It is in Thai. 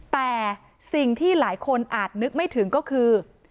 แต่สิ่งที่หลายคนอาจนึกไม่ถึงก็คือ